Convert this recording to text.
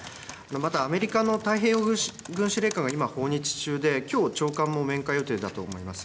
また、アメリカの太平洋軍司令官が訪日中で、きょう、長官も面会予定だと思います。